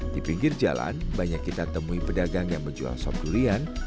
di pinggir jalan banyak kita temui pedagang yang menjual sop durian